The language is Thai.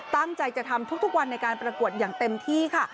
ตั้งใจจะทำทุกวันในการประกวดอย่างเต็มที่ค่ะ